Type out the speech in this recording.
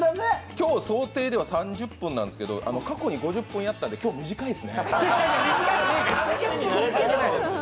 今日想定では３０分なんですけど、過去に５０分やったので短いですね。